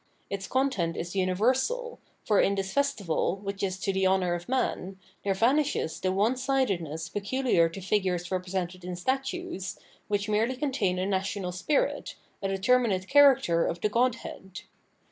Its content is universal, for in this festival, which is to the honour of man, there vanishes the onesidedness pecuhar to figures represented in statues, which merely contain a national spirit, a determinate character of the godhead.